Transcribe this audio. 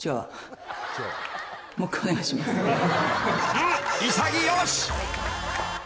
［うん。潔し］